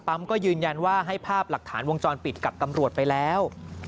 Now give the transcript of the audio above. ก็ยืนยันว่าให้ภาพหลักฐานวงจรปิดกับตำรวจไปแล้ว